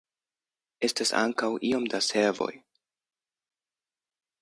Estas ankaŭ iom da servoj.